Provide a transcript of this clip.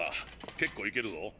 結構いけるぞ。